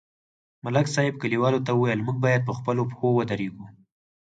ملک صاحب کلیوالو ته وویل: موږ باید په خپلو پښو ودرېږو